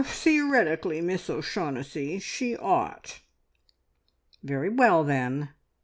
"Er theoretically, Miss O'Shaughnessy, she ought!" "Very well, then.